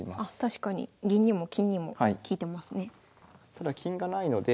ただ金がないので。